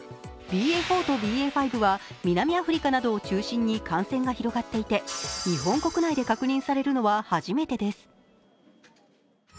ＢＡ．４とＢＡ．５は南アフリカなどを中心に感染が広がっていて日本国内で確認されるのは初めてです。